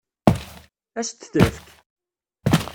Ad s-t-tefk?